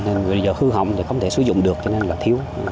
nên bây giờ hư hỏng thì không thể sử dụng được cho nên là thiếu